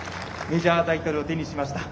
メジャータイトル手にしました。